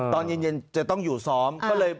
ตอนเย็นจะต้องอยู่ซ้อม